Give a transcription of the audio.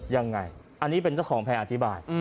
ยังไงอันนี้เป็นเจ้าของแพรอธิบาย